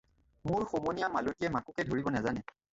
মোৰ সমনীয়া মালতীয়ে মাকুকে ধৰিব নেজানে